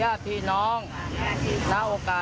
สัมปเวศีวิญญาณเล่ลอนทั้งหลาย